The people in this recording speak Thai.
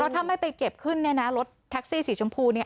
แล้วถ้าไม่ไปเก็บขึ้นเนี่ยน่ะรถสีชมพูเนี่ย